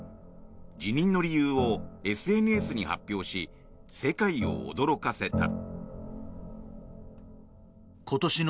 辞任の理由をＳＮＳに発表し世界を驚かせた。